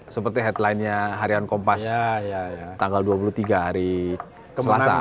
seperti headlinenya harian kompas tanggal dua puluh tiga hari selasa